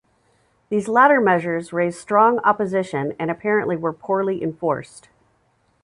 These latter measures raised strong opposition and apparently were poorly enforced.